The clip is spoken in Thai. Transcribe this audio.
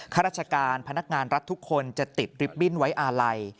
ข้าราชการพนักงานรัฐทุกคนจะติดริบบิ้นไว้อาลัย